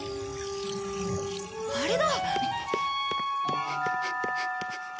あれだ！